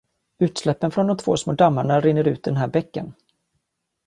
Utsläppen från de två små dammarna rinner ut i den här bäcken.